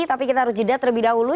tapi kita harus jeda terlebih dahulu